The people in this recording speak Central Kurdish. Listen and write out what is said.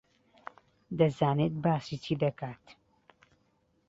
دەزانێت باسی چی دەکات.